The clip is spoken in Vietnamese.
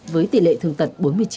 với tỷ lệ thương tật bốn mươi chín